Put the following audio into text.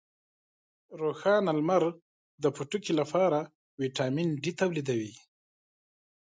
روښانه لمر د پوټکي لپاره ویټامین ډي تولیدوي.